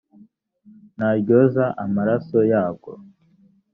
naryoza amaraso yabwo